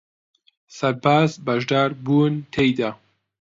سەرباز بەشدار بوون تێیدا